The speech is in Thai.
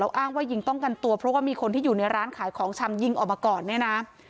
อ้างว่ายิงป้องกันตัวเพราะว่ามีคนที่อยู่ในร้านขายของชำยิงออกมาก่อนเนี่ยนะ